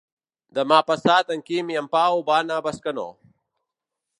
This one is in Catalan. Demà passat en Quim i en Pau van a Bescanó.